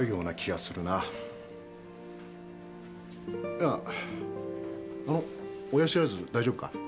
いやあの親知らず大丈夫か？